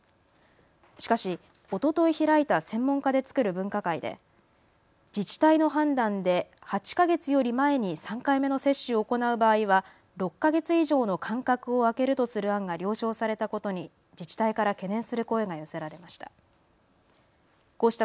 しかし、おととい開いた専門家で作る分科会で自治体の判断で８か月より前に３回目の接種を行う場合は６か月以上の間隔を空けるとする案が了承されたことに自治体から懸念する声が寄せられました。